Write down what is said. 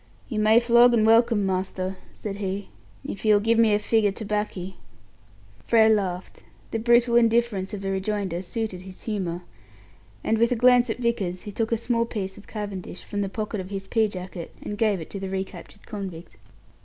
"You may flog, and welcome, master," said he, "if you'll give me a fig o' tibbacky." Frere laughed. The brutal indifference of the rejoinder suited his humour, and, with a glance at Vickers, he took a small piece of cavendish from the pocket of his pea jacket, and gave it to the recaptured convict.